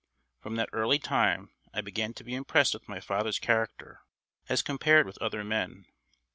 From that early time I began to be impressed with my father's character, as compared with other men.